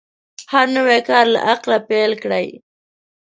هر نوی کار له عقله پیل کړئ.